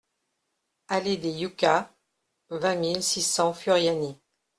Allée des Yuccas, vingt mille six cents Furiani